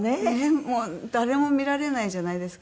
もう誰も見られないじゃないですか。